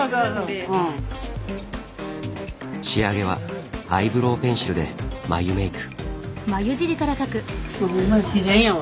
仕上げはアイブロウペンシルで眉メイク。